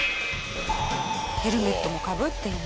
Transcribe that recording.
ヘルメットもかぶっていません。